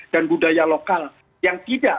dan budaya lokal yang tidak